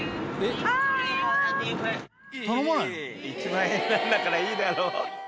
１万円なんだからいいだろ。